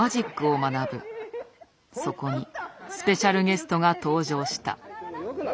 そこにスペシャルゲストが登場した。